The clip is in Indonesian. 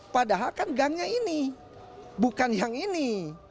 padahal kan gangnya ini bukan yang ini